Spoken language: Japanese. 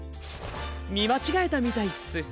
みまちがえたみたいっす。